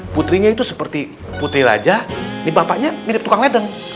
putrinya itu seperti putri raja ini bapaknya mirip tukang ledeng